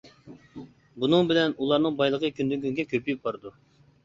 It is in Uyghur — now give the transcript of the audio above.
بۇنىڭ بىلەن ئۇلارنىڭ بايلىقى كۈندىن-كۈنگە كۆپىيىپ بارىدۇ.